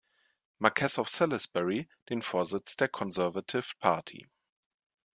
Marquess of Salisbury, den Vorsitz der Conservative Party.